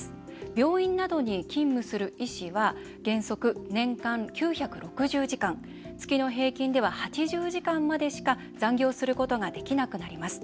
病院などに勤務する医師は原則年間９６０時間月の平均では８０時間までしか残業することができなくなります。